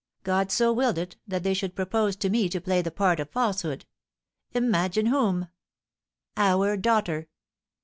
"God so willed it that they should propose to me to play the part of falsehood imagine whom? Our daughter!"